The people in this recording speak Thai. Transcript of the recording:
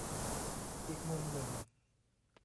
อีกมุมหนึ่ง